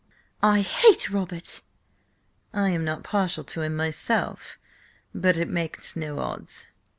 "I hate Robert!" "I am not partial to him myself, but it makes no odds."